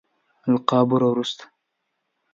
القابو وروسته.